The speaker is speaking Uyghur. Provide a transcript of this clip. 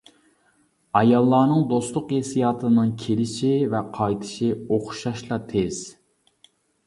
ئاياللارنىڭ دوستلۇق ھېسسىياتىنىڭ كېلىشى ۋە قايتىشى ئوخشاشلا تېز.